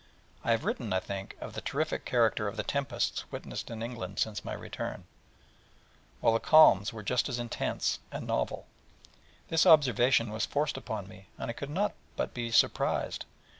I have written, I think, of the terrific character of the tempests witnessed in England since my return: well, the calms were just as intense and novel. This observation was forced upon me: and I could not but be surprised.